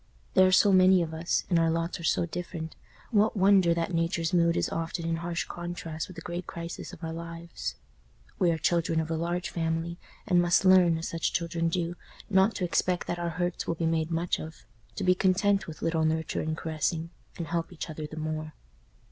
There are so many of us, and our lots are so different, what wonder that Nature's mood is often in harsh contrast with the great crisis of our lives? We are children of a large family, and must learn, as such children do, not to expect that our hurts will be made much of—to be content with little nurture and caressing, and help each other the more.